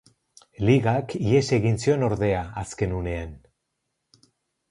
Ligak ihes egin zion ordea azken unean.